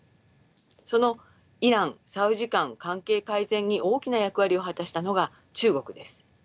そのイラン・サウジ間関係改善に大きな役割を果たしたのが中国です。